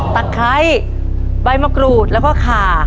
ไคร้ใบมะกรูดแล้วก็ขา